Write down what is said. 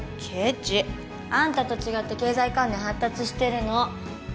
ケチ。あんたと違って経済観念発達してるの。